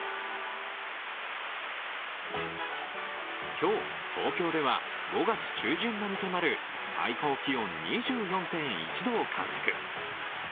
今日、東京では５月中旬並みとなる最高気温２４．１度を観測。